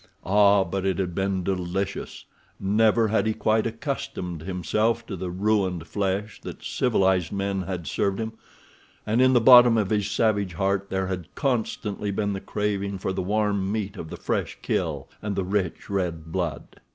Ah, but it had been delicious! Never had he quite accustomed himself to the ruined flesh that civilized men had served him, and in the bottom of his savage heart there had constantly been the craving for the warm meat of the fresh kill, and the rich, red blood.